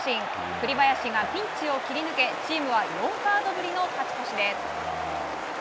栗林がピンチを切り抜けチームは４カードぶりの勝ち越しです。